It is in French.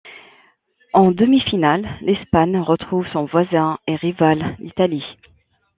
En demi-finale, l'Espagne retrouve son voisin et rival, l'Italie.